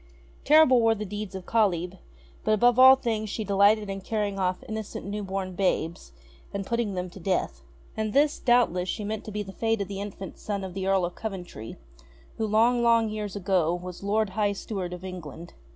Terrible were the deeds of Kalyb ; but above all things she delighted in carrying off innocent new born babes, and putting them to death. And this, doubtless, she meant to be the fate of the infant son of the Earl of Coventry, who long long years ago was Lord High Steward of England.